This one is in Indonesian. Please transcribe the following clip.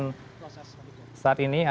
tapi saya akan menjelaskan